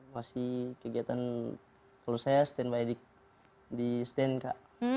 masih kegiatan kalau saya standby di stand kak